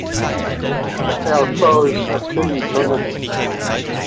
They are foes of Kid Eternity.